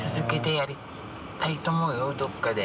どこかで。